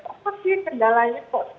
apa sih kendalanya kok